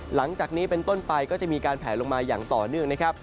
หลังจากนี้เป็นต้นไปก็จะมีการแผลลงมาอย่างต่อเนื่องนะครับ